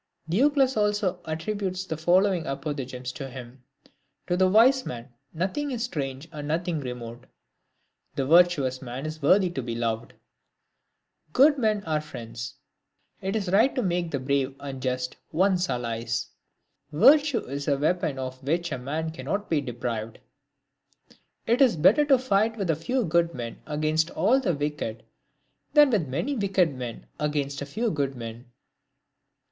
Diocles also attributes the following apophthegms to him. To the wise man, nothing is strange and nothing remote. The virtuous man is worthy to be loved. Good men are friends. It is right to make the brave and just one's allies. Virtue is a weapon of which a man cannot be deprived. It is better to fight with a few good men against all the wicked, than with many wicked men against a few good men.